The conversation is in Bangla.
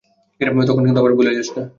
তখন কিন্তু আমায় ভুলে যাস না?